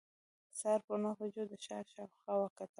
سهار پر نهو بجو د ښار شاوخوا وکتل.